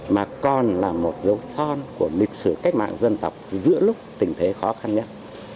mà còn là một dấu son của lịch sử cách mạng dân tộc giữa lúc tình thế khó khăn nhất